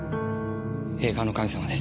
映画の神様です。